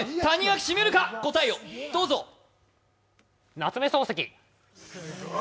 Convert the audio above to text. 夏目漱石！